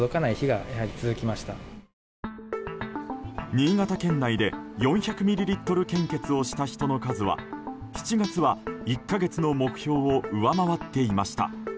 新潟県内で４００ミリリットル献血をした人の数は７月は１か月の目標を上回っていました。